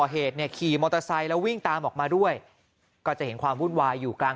เหตุเนี่ยขี่มอเตอร์ไซค์แล้ววิ่งตามออกมาด้วยก็จะเห็นความวุ่นวายอยู่กลาง